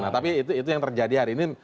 nah tapi itu yang terjadi hari ini